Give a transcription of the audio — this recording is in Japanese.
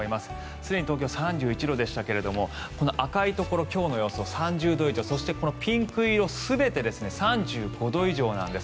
すでに東京は３１度でしたけれどこの赤いところ３０度以上そして、ピンク色全て３５度以上なんです。